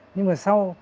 nhưng mà sau